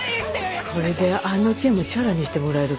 これであの件もチャラにしてもらえるかしら。